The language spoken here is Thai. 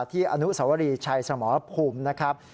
อนุสวรีชัยสมรภูมินะครับ